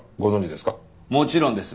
もちろんです。